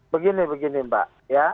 begini begini mbak